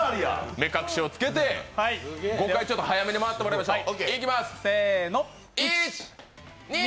目隠しを着けて５回早めに回ってもらいましょう。